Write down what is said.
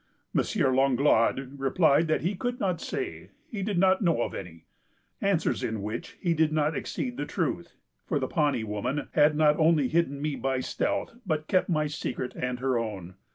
M. Langlade replied, that 'he could not say, he did not know of any,' answers in which he did not exceed the truth; for the Pani woman had not only hidden me by stealth, but kept my secret and her own.